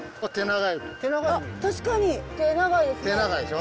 確かに手長いですね。